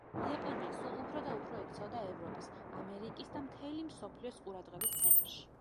იაპონია სულ უფრო და უფრო ექცეოდა ევროპის, ამერიკის და მთელი მსოფლიოს ყურადღების ცენტრში.